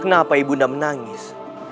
kenapa ibu undang menangis